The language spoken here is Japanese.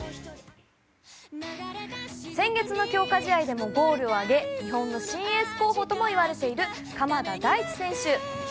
先月の強化試合でもゴールを挙げ日本の新エース候補ともいわれている鎌田大地選手。